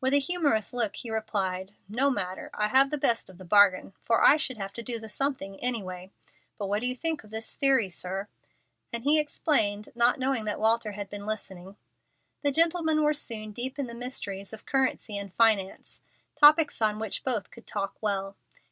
With a humorous look he replied, "No matter, I have the best of the bargain, for I should have to do the 'something' anyway. But what do you think of this theory, sir?" And he explained, not knowing that Walter had been listening. The gentlemen were soon deep in the mysteries of currency and finance, topics on which both could talk well.